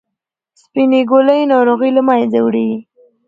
سپینې ګولۍ ناروغي له منځه وړي.